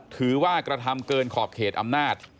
ถือว่ากระทำเกินขอบเขตอำนาจ